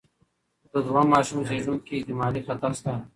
د دویم ماشوم زېږون کې احتمالي خطر شته.